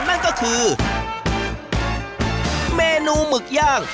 นั่นก็คือเมนูหมึกย่าง